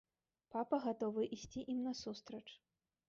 Папа гатовы ісці ім насустрач.